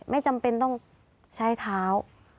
ไม่จำเป็นต้องใช้เท้า